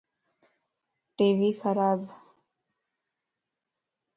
ٽي وي خراب